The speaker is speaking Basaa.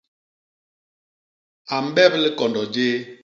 A mbep likondo jéé.